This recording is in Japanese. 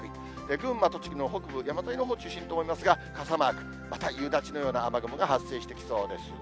群馬、栃木の北部、山沿いのほう中心と思いますが、傘マーク、また夕立のような雨雲が発生してきそうです。